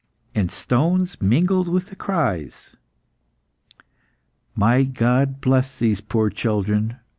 and stones mingled with the cries. "My God, bless these poor children!"